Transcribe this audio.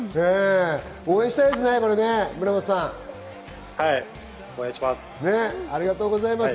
応援したいですね、はい、応援します。